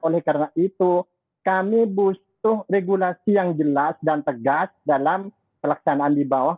oleh karena itu kami butuh regulasi yang jelas dan tegas dalam pelaksanaan di bawah